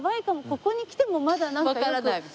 ここに来てもまだなんかよく。